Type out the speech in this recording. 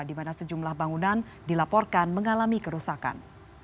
di mana sejumlah bangunan dilaporkan mengalami kerusakan